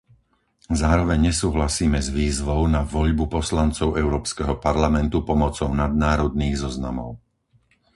Zároveň nesúhlasíme s výzvou na voľbu poslancov Európskeho parlamentu pomocou nadnárodných zoznamov.